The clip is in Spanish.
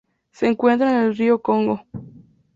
Se encuentra en el río Congo.